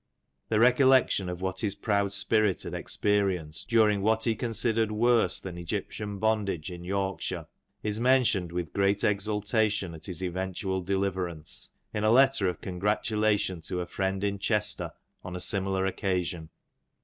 The recollection of what his proud spirit had experienced during what he considered worse than Egyptian bondage in Yorkshire, is mentioned with great exultation at his eventual deliverance, in a letter of con gratulation to a friend in Chester, on a similar occasion.